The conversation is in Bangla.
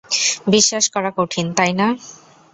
বিশ্বাস করা কঠিন, তাই না?